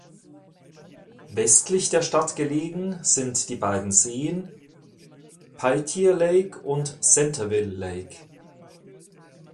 Westlich der Stadt gelegen sind die beiden Seen "Peltier Lake" und "Centerville Lake".